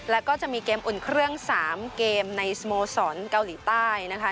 แล้วก็จะมีเกมอุ่นเครื่อง๓เกมในสโมสรเกาหลีใต้นะคะ